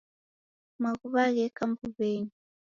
Maghuw'a gheka mbuw'enyi.